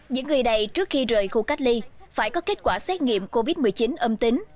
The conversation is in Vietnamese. những người đầy trước khi rời khu cách ly phải có kết quả xét nghiệm covid một mươi chín âm tính